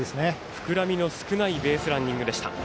膨らみの少ないベースランニングでした。